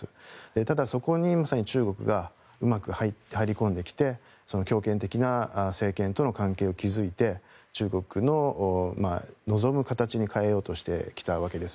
ただ、そこにまさに中国がうまく入り込んできて強権的な政権との関係を築いて中国の望む形に変えようとしてきたわけです。